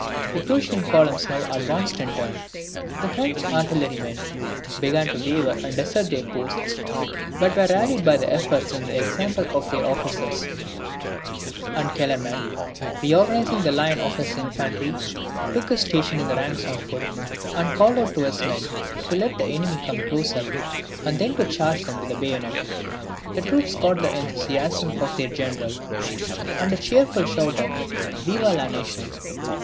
The Prussian columns now advanced in turn. The French artillerymen began to waver and desert their posts, but were rallied by the efforts and example of their officers; and Kellerman, reorganizing the line of his infantry, took his station in the ranks on foot, and called out to his men to let the enemy come close up, and then to charge them with the bayonet. The troops caught the enthusiasm of their general, and a cheerful shout of VIVE LA NATION!